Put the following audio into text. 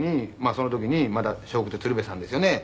その時にまだ笑福亭鶴瓶さんですよね。